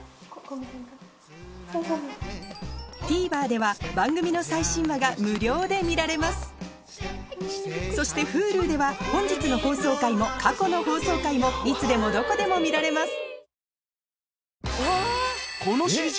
ＴＶｅｒでは番組の最新話が無料で見られますそしてＨｕｌｕでは本日の放送回も過去の放送回もいつでもどこでも見られます